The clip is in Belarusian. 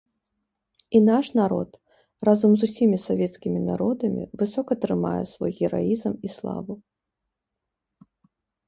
І наш народ, разам з усімі савецкімі народамі, высока трымае свой гераізм і славу.